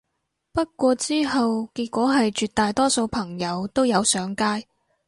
不過之後結果係絕大多數朋友都有上街